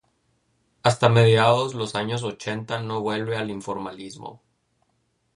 Hasta mediados los años ochenta no vuelve al Informalismo.